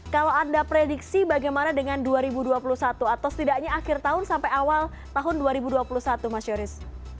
kalau anda prediksi bagaimana dengan dua ribu dua puluh satu atau setidaknya akhir tahun sampai awal tahun dua ribu dua puluh satu mas yoris